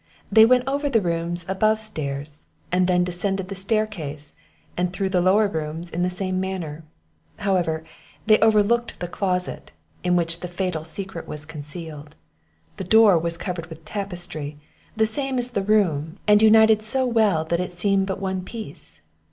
They went over the rooms above stairs, and then descended the staircase, and through the lower rooms in the same manner. However, they overlooked the closet, in which the fatal secret was concealed; the door was covered with tapestry, the same as the room, and united so well that it seemed but one piece.